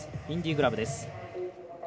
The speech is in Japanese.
インディグラブです。